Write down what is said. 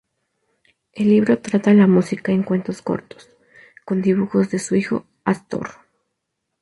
El libro trata la música en cuentos cortos, con dibujos de su hijo Ástor.